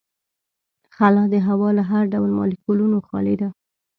خلا د هوا له هر ډول مالیکولونو خالي ده.